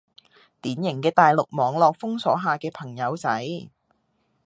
典型嘅大陸網絡封鎖下嘅朋友仔